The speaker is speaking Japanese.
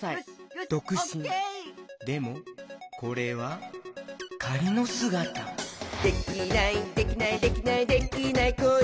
でもこれはかりのすがた「できないできないできないできない子いないか」